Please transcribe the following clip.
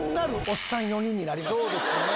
そうですね。